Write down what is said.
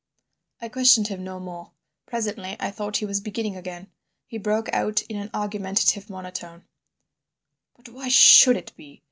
I questioned him no more. Presently I thought he was beginning again. He broke out in an argumentative monotone: "But why should it be?